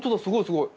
すごい！